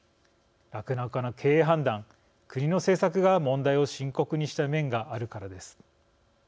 酪農家の経営判断国の政策が問題を深刻にした面があるからです。